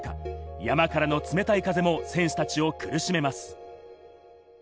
山からの冷たい風も選手たちを苦しめます。